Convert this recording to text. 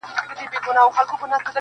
o نن دي سترګو کي تصویر را سره خاندي,